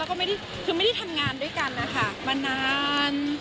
คือไม่ได้ทำงานด้วยกันนะคะมานาน